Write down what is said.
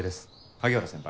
萩原先輩。